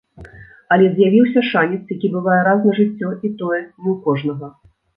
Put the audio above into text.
Але з'явіўся шанец, які бывае раз на жыццё, і тое, не ў кожнага.